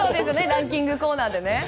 ランキングのコーナーでね。